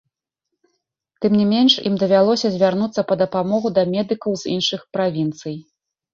Тым не менш, ім давялося звярнуцца па дапамогу да медыкаў з іншых правінцый.